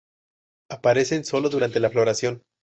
Aparecen sólo durante la floración.